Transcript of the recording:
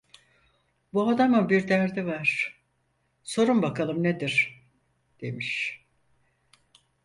"Bu adamın bir derdi var, sorun bakalım nedir!" demiş.